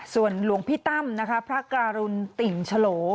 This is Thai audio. ส่วนหลวงพี่ตั้มนะคะพระการุณติ่งฉล